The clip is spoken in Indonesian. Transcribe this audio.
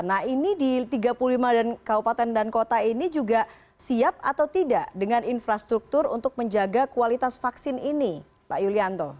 nah ini di tiga puluh lima kabupaten dan kota ini juga siap atau tidak dengan infrastruktur untuk menjaga kualitas vaksin ini pak yulianto